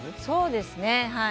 そうですね。